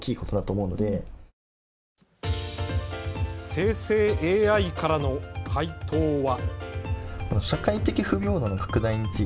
生成ＡＩからの回答は。